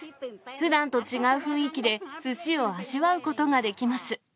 ふだんと違う雰囲気で、すしを味わうことができます。